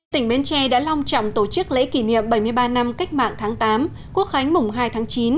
tỉnh bến tre đã long trọng tổ chức lễ kỷ niệm bảy mươi ba năm cách mạng tháng tám quốc khánh mùng hai tháng chín